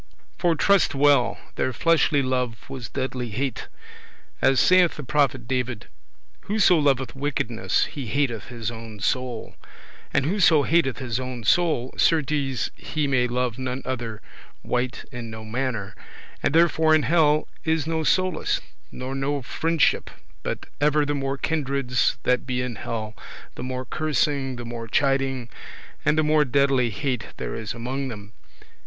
For trust well, their fleshly love was deadly hate; as saith the prophet David; "Whoso loveth wickedness, he hateth his own soul:" and whoso hateth his own soul, certes he may love none other wight in no manner: and therefore in hell is no solace nor no friendship, but ever the more kindreds that be in hell, the more cursing, the more chiding, and the more deadly hate there is among them.